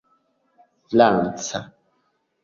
franca